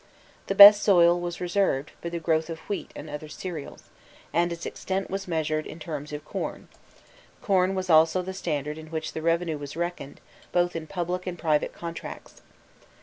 The best soil was reserved, for the growth of wheat and other cereals, and its extent was measured in terms of corn; corn was also the standard in which the revenue was reckoned both in public and private contracts.